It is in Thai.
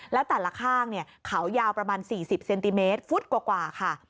แล้วแต่ละข้างเขายาวประมาณ๔๐เซนติเมตรฟุตกว่าค่ะ